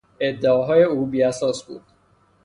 ادعاهای او بیاساس بود.